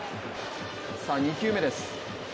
２球目です。